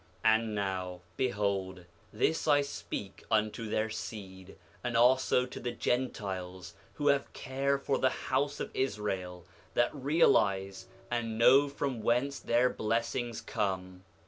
5:10 And now behold, this I speak unto their seed, and also to the Gentiles who have care for the house of Israel, that realize and know from whence their blessings come.